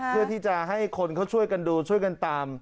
เพื่อที่จะให้คนเขาช่วยกันดูช่วยกันตาม